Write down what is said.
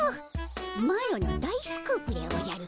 マロの大スクープでおじゃる。